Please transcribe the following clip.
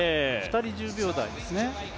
２人１０秒台ですね。